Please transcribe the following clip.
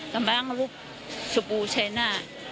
แต่มารูปชูปูชั้นหน้า